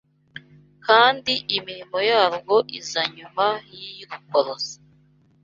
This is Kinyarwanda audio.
kandi imirimo yarwo iza nyuma y’iy’urukwaruz